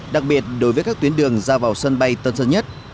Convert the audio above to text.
đặc biệt đối với các tuyến đường ra vào sân bay tân sơn nhất